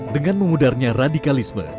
dengan memudarnya radikalisme